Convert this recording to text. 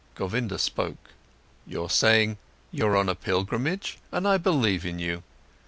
Govinda spoke: "You're saying: you're on a pilgrimage, and I believe you.